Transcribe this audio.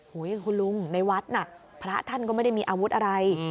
คุณลุงในวัดน่ะพระท่านก็ไม่ได้มีอาวุธอะไร